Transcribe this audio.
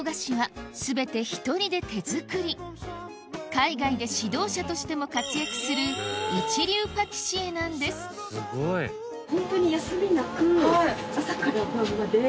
海外で指導者としても活躍する一流パティシエなんですすごいですね。